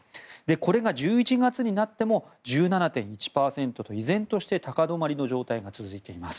これが１１月になっても１７．１％と依然として高止まりの状態が続いています。